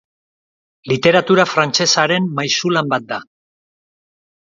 Literatura frantsesaren maisulan bat da.